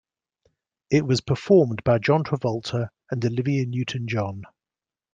It was performed by John Travolta and Olivia Newton-John.